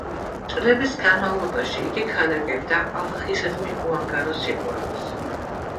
წლების განმავლობაში იგი ქადაგებდა ალაჰისადმი უანგარო სიყვარულს.